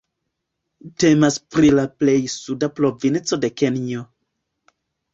Temas pri la plej suda provinco de Kenjo.